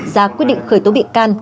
ra quyết định khởi tố bị can